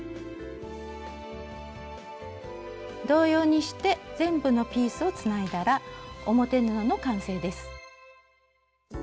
同様にして全部のピースをつないだら表布の完成です。